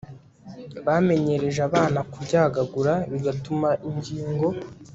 Bamenyereje abana kuryagagura bigatuma ingingo